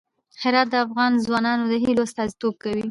هرات د افغان ځوانانو د هیلو استازیتوب کوي.